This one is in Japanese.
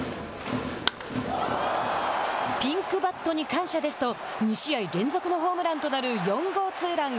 ピンクバットに感謝ですと２試合連続のホームランとなる４号ツーラン。